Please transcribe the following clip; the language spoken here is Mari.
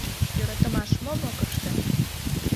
— Йӧратымаш мом ок ыште!